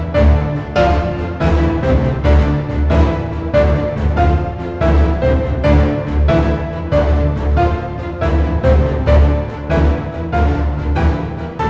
melahirkan orang yang mohon mempertahankan